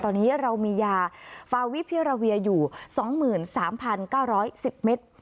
ตอนนี้เรามียาฟาวิพิราเวียอยู่๒๓๙๑๐เมตร